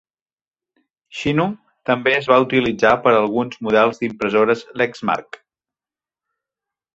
Xinu també es va utilitzar per a alguns models d'impressores Lexmark.